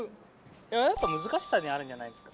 やっぱ難しさにあるんじゃないですか。